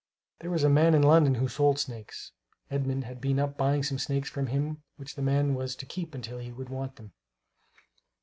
There was a man in London who sold snakes. Edmund had been up buying some snakes from him which the man was to keep until he should want them.